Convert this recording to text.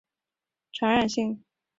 不具有传染性。